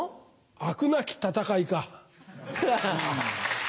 アクなき戦いか。